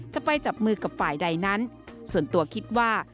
จะไปจับมือกับฝ่ายใดนั้นส่วนตัวคิดว่า